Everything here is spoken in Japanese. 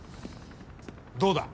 どうだ？